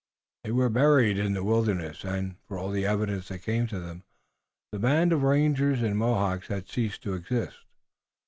They were buried in the wilderness, and, for all the evidence that came to them, the band of rangers and Mohawks had ceased to exist.